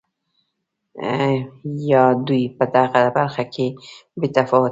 یا دوی په دغه برخه کې بې تفاوته دي.